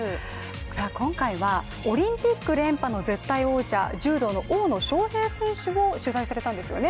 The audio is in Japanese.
今回は、オリンピック連覇の絶対王者、柔道の大野将平選手を取材されたんですよね。